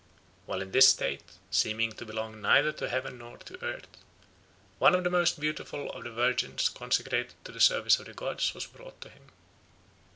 While in this state, seeming to belong neither to heaven nor to earth, one of the most beautiful of the virgins consecrated to the service of the gods was brought to him."